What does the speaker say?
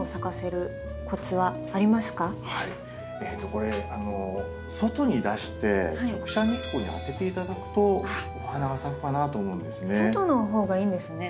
これ外に出して直射日光に当てて頂くとお花が咲くかなと思うんですね。